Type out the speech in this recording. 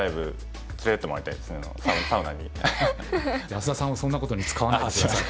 安田さんをそんなことに使わないで下さい。